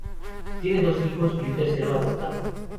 Tiene dos hijos y un tercero adoptado.